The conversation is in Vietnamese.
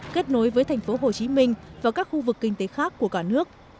kết nối với thành phố hồ chí minh và các khu vực kinh tế khác của cả nước